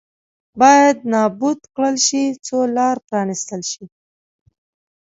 باید نابود کړل شي څو لار پرانېستل شي.